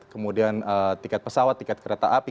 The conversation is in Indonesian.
kemudian tiket pesawat tiket kereta api